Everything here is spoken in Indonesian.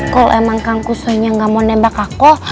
kalo emang kang kusoynya gak mau nembak aku